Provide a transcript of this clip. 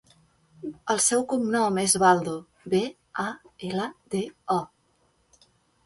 El seu cognom és Baldo: be, a, ela, de, o.